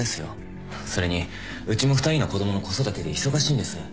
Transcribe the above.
それにうちも２人の子供の子育てで忙しいんです。